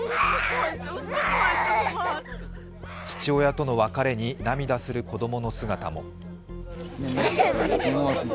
父親との別れに涙する子供の姿も。